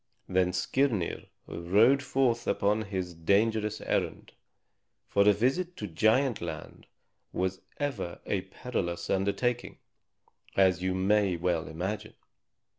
Then Skirnir rode forth upon his dangerous errand; for a visit to Giant Land was ever a perilous undertaking, as you may well imagine.